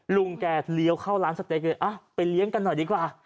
ลุงแกเลี้ยวเข้าร้านสเต๊กเลยไปเลี้ยงกันหน่อยดีกว่า